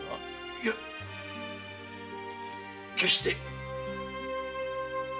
いや決して。